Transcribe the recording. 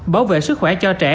bảo vệ sức khỏe cho trẻ